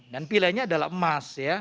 dan pilihannya adalah emas